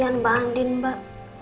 kasian mbak andin mbak